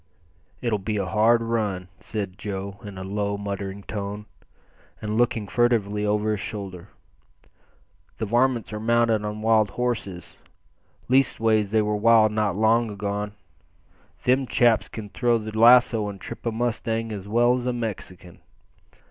"It'll be a hard run," said Joe in a low, muttering tone, and looking furtively over his shoulder. "The varmints are mounted on wild horses leastways they were wild not long agone. Them chaps can throw the lasso and trip a mustang as well as a Mexican.